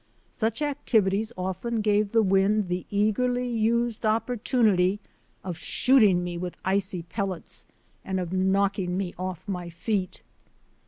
Such activi ties often gave the wind the eagerly used opportun ity of shooting me with icy pellets and of knocking me off my feet.